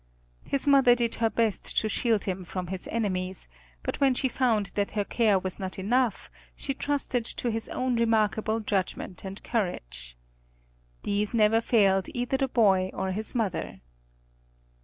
His mother did her best to shield him from his enemies, but when she found that her care was not enough she trusted to his own remarkable judgment and courage. These never failed either the boy or his mother.